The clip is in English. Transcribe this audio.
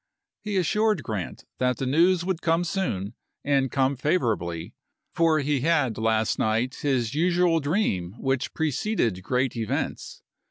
He assured Grant that the news would come soon and come favorably, for he had last night had his usual dream which preceded great events.